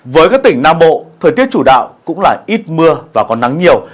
với các tỉnh nam bộ thời tiết chủ đạo cũng là ít mưa và còn nắng nhiều